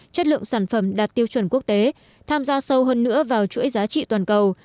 chất lượng sản phẩm đạt tiêu chuẩn quốc tế tham gia sâu hơn nữa vào chuỗi giá trị toàn cầu